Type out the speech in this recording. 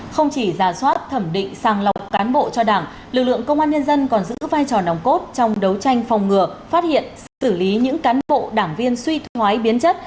không chỉ giả soát thẩm định sàng lọc cán bộ cho đảng lực lượng công an nhân dân còn giữ vai trò nòng cốt trong đấu tranh phòng ngừa phát hiện xử lý những cán bộ đảng viên suy thoái biến chất